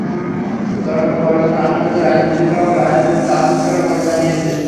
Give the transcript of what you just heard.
দণ্ড পাওয়া অন্য আসামিদের আইনজীবীরাও রায়ের বিরুদ্ধে আপিল করার কথা জানিয়েছেন।